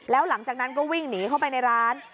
แล้วหลังจากนั้นก็วิ่งหนีเข้าไปในร้าน